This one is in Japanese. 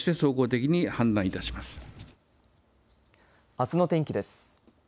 あすの天気です。